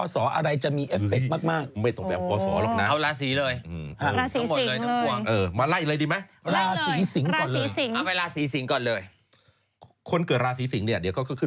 สิงกลับมีโชค